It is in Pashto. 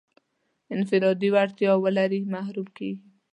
انفرادي وړتیا ولري محروم کېږي.